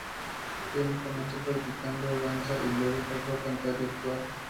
Kane comenzó practicando danza y luego pasó a cantar y actuar.